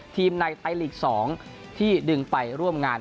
ในไทยลีก๒ที่ดึงไปร่วมงาน